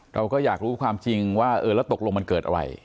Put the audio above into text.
เราก็อยากรู้ความจริงว่าเออแล้วตกลงมันเกิดอะไร